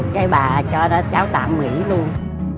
cái bà cho nó cháu tạm nghỉ luôn